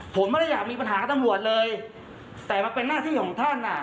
ผมไม่ได้อยากมีปัญหากับตำรวจเลยแต่มันเป็นหน้าที่ของท่านอ่ะ